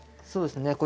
そうですね。